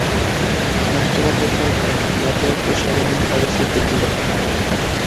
মোস্তাফা জব্বার বলেন, নেটওয়ার্ক ও সেবার মান অবশ্যই বৃদ্ধি করতে হবে।